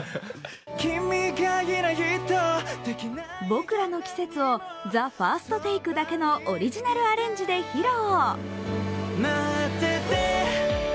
「僕らの季節」をＴＨＥＦＩＲＳＴＴＡＫＥだけのオリジナルアレンジで披露。